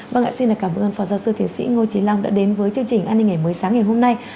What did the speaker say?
vâng ạ xin cảm ơn phó giáo sư tiến sĩ ngô trí long đã đến với chương trình an ninh ngày mới sáng ngày hôm nay